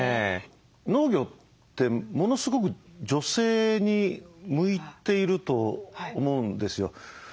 農業ってものすごく女性に向いていると思うんですよ。